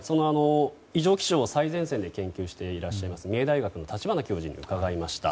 異常気象を最前線で研究していらっしゃる三重大学の立花教授に伺いました。